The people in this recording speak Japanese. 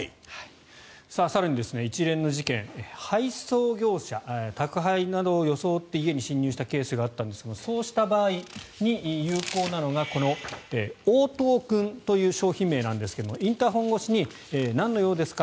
更に一連の事件配送業者宅配などを装って家に侵入したケースがあるんですがそうした場合に有効なのがこの応答くんという商品名ですがインターホン越しに「なんの用ですか？」